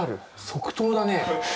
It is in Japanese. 即答だね。